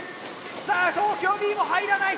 さあ東京Ｂも入らない。